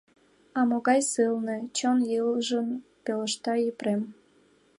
— А могай сылне! — чон ылыжын пелешта Епрем.